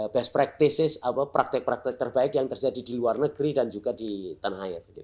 memiliki praktik praktik terbaik yang terjadi di luar negeri dan juga di tanah air